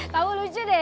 kamu lucu deh